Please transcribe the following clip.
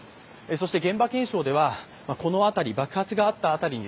そして現場検証では、この辺り、爆発があった辺りに